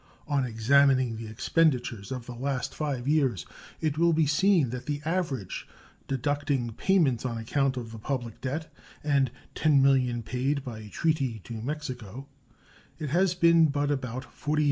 On examining the expenditures of the last five years it will be seen that the average, deducting payments on account of the public debt and $10,000,000 paid by treaty to Mexico, has been but about $48,000,000.